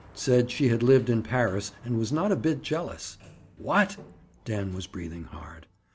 Said she had lived in Paris, and was not a bit jealous." "What!" Dan was breathing hard.